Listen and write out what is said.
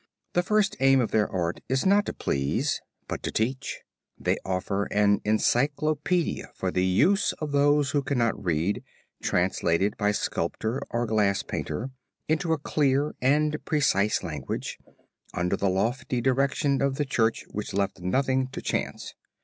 The first aim of their art is not to please, but to teach; they offer an encyclopedia for the use of those who cannot read, translated by sculptor or glass painter into a clear and precise language, under the lofty direction of the Church which left nothing to chance.